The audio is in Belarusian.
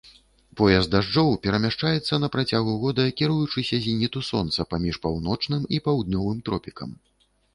Пояс дажджоў перамяшчаецца на працягу года кіруючыся зеніту сонца паміж паўночным і паўднёвым тропікам.